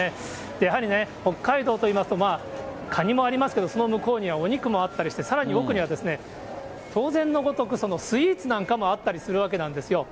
やはり北海道といいますと、カニもありますけど、その向こうにはお肉もあったりして、さらに奥には当然のごとく、スイーツなんかもあったりするわけなんですよ。